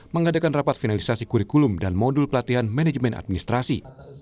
mengadakan rapat finalisasi kurikulum dan modul pelatihan manajemen administrasi